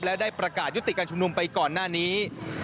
และได้ประกาศยุติการชุมนุมไปก่อนหน้านี้